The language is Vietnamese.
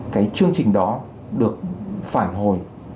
cái chương trình đó được phản hồi